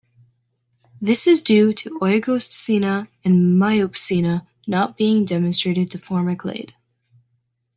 This is due to Oegopsina and Myopsina not being demonstrated to form a clade.